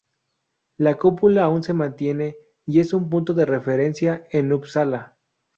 La cúpula aún se mantiene y es un punto de referencia en Upsala.